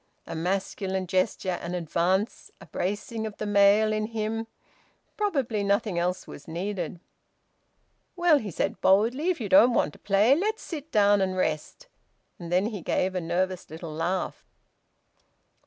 A masculine gesture, an advance, a bracing of the male in him ... probably nothing else was needed. "Well," he said boldly, "if you don't want to play, let's sit down and rest." And then he gave a nervous little laugh.